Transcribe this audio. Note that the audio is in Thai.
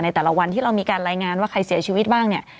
แต่ละวันที่เรามีการรายงานว่าใครเสียชีวิตบ้างเนี่ย